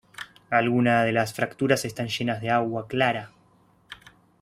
Alguna de las fracturas están llenas de agua clara.